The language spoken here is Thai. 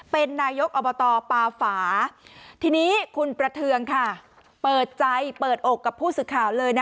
เป็นนายกอบตปาฝาทีนี้คุณประเทืองค่ะเปิดใจเปิดอกกับผู้สื่อข่าวเลยนะ